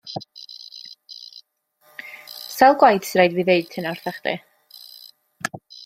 Sawl gwaith sy' raid fi ddeud hynna wrtha chdi?